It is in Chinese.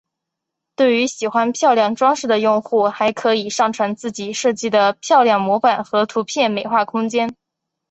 对于喜欢华丽装饰的用户还可以上传自己设计的漂亮模板和图片美化空间。